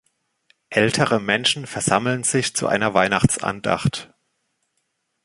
Ältere Menschen versammeln sich zu einer Weihnachtsandacht.